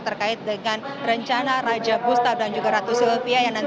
terkait dengan rencana raja gustav dan juga ratu silvia yang nantinya akan diambil